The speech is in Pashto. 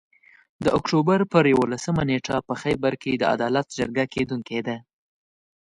د اُکټوبر پر یوولسمه نیټه په خېبر کې د عدالت جرګه کیدونکي ده